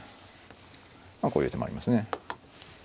こういう手もありますね。